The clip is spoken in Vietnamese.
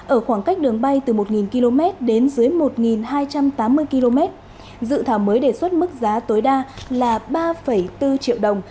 ở khoảng cách đường bay từ một km đến dưới một hai trăm tám mươi km dự thảo mới đề xuất mức giá tối đa là ba bốn triệu đồng